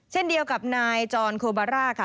เช่นเดียวกับนายจรโคบาร่าค่ะ